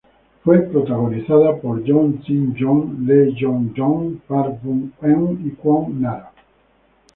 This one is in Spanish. Fue protagonizada por Yoon Shi-yoon, Lee Yoo-young, Park Byung-Eun y Kwon Nara.